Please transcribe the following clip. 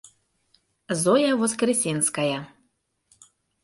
Зоя ВОСКРЕСЕНСКАЯ